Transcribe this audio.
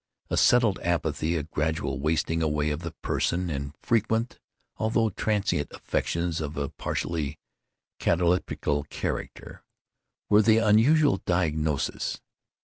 A settled apathy, a gradual wasting away of the person, and frequent although transient affections of a partially cataleptical character, were the unusual diagnosis.